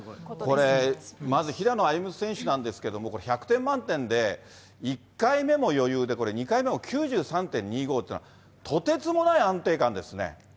これ、まず平野歩夢選手なんですけれども、これ、１００点満点で、１回目も余裕で、これ、２回目も９３．２５というのはとてつもない安定感ですね。